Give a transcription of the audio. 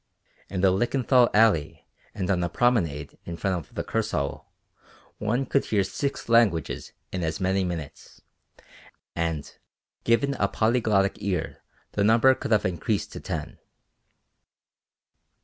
In the Lichenthal Allée and on the promenade in front of the Kursaal one could hear six languages in as many minutes, and given a polyglottic ear the number could have been increased to ten.